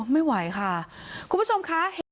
ไม่ไหวค่ะ